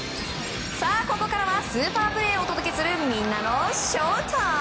ここからはスーパープレーをお届けするみんなのＳＨＯＷＴＩＭＥ。